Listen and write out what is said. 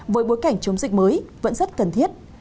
với bối cảnh chống dịch mới vẫn rất cần thiết